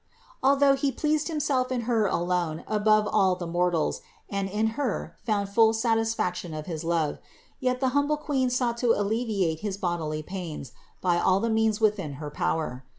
Although He pleased Himself in Her alone above all the mortals and in Her found full satisfaction of his love, yet the humble Queen sought to alleviate his bodily pains by all the means within her power.